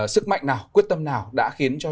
sức mạnh nào quyết tâm nào đã khiến cho